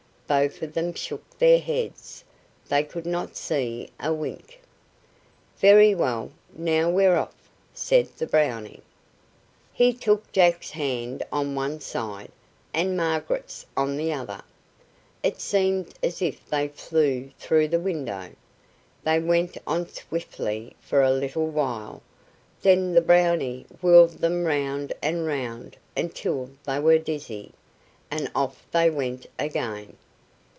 Both of them shook their heads. They could not see a wink. "Very well, now we're off," said the Brownie. He took Jack's hand on one side, and Margaret's on the other. It seemed as if they flew through the window. They went on swiftly for a little while, then the Brownie whirled them round and round until they were dizzy, and off they went again.